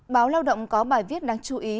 báo lao động có bài viết đáng chú ý